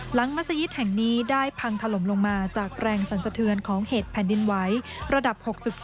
มัศยิตแห่งนี้ได้พังถล่มลงมาจากแรงสันสะเทือนของเหตุแผ่นดินไหวระดับ๖๗